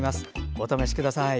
お試しください。